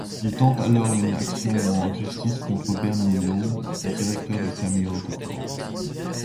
Il tente alors une action en justice contre Bernie Lowe, directeur de Cameo Record.